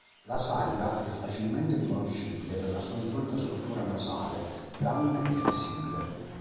La saiga è facilmente riconoscibile per la sua insolita struttura nasale, grande e flessibile.